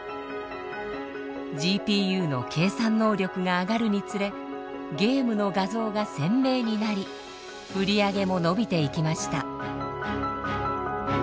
ＧＰＵの計算能力が上がるにつれゲームの画像が鮮明になり売り上げも伸びていきました。